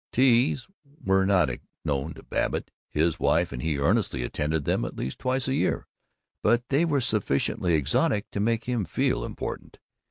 Teas were not unknown to Babbitt his wife and he earnestly attended them at least twice a year but they were sufficiently exotic to make him feel important.